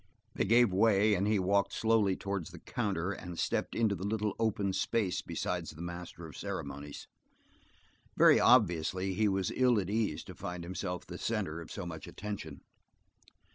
They gave way and he walked slowly towards the counter and stepped into the little open space beside the master of ceremonies. Very obviously he was ill at ease to find himself the center of so much attention.